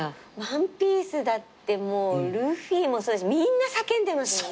『ワンピース』だってもうルフィもそうだしみんな叫んでますもんね。